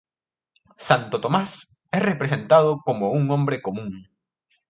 Santo Tomás es representado como un hombre común.